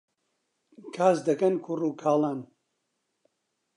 کاس دەکەن کوڕ و کاڵان